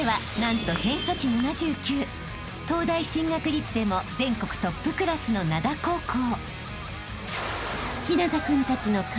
［東大進学率でも全国トップクラスの灘高校］